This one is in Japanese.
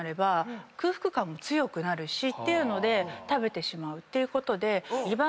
ていうので食べてしまうっていうことで。